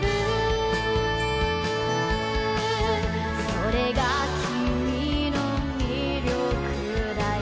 「『それが君の魅力だよ』